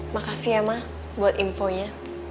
makasih ya ma buat infonya